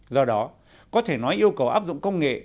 do đó có thể nói yêu cầu áp dụng công nghệ